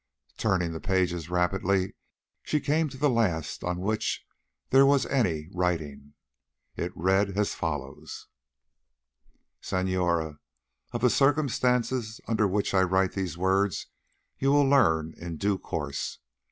Turning the pages rapidly she came to the last on which there was any writing. It ran as follows: "Senora, of the circumstances under which I write these words you will learn in due course.